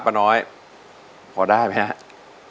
ก็มาเริ่มการแข่งขันกันเลยนะครับ